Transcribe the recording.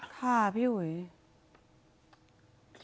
ข้าพี่หุย